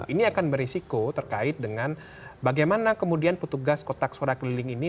ini akan berisiko terkait dengan bagaimana kemudian petugas kotak suara keliling ini